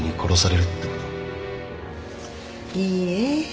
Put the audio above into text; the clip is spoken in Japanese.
いいえ。